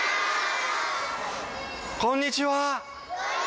こんにちは！